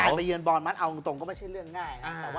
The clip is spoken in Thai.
การไปเยือนบอลมัสเอาจริงก็ไม่ใช่เรื่องง่ายนะครับ